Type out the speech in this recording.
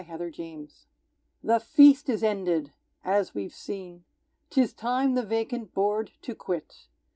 Aftword The feast is ended! (As we've seen.) 'Tis time the vacant board to quit.